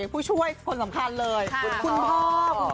ผู้ช่วยคนสำคัญเลยคุณพ่อ